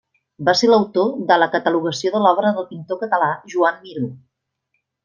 Va ser l'autor de la catalogació de l'obra del pintor català Joan Miró.